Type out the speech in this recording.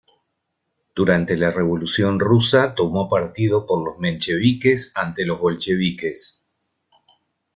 Durante la revolución rusa tomó partido por los mencheviques ante los bolcheviques.